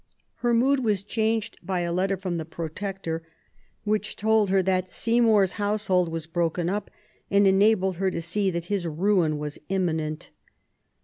Her mood was changed by a letter from the Protector, which told her that Seymour's household was broken up, and enabled her to see that his ruin was imminent.